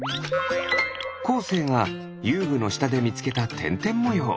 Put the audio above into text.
こうせいがゆうぐのしたでみつけたてんてんもよう。